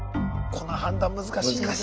この判断難しい。